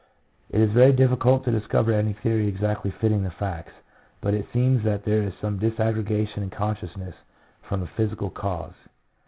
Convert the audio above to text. It is very difficult to discover any theory exactly fitting the facts, but it seems that there is some disaggregation in consciousness from a physical cause.